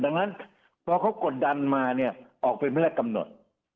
ดังนั้นพอเขากดดันมาเนี่ยออกเป็นพระราชกำหนด